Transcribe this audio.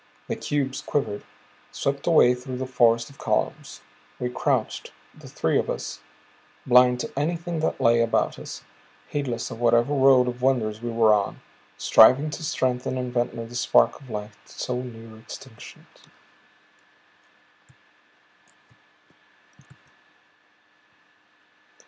The cubes quivered swept away through the forest of columns. We crouched, the three of us, blind to anything that lay about us, heedless of whatever road of wonders we were on, striving to strengthen in Ventnor the spark of life so near extinction.